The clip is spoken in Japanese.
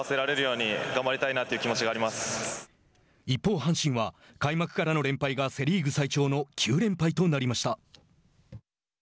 一方、阪神は開幕からの連敗がセ・リーグ最長の９連敗となりました。